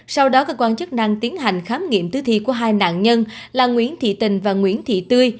sau đó cơ quan chức năng tiến hành khám nghiệm tử thi của hai nạn nhân là nguyễn thị tình và nguyễn thị tươi